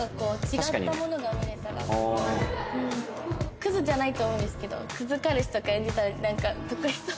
クズじゃないと思うんですけどクズ彼氏とか演じたらなんか得意そう。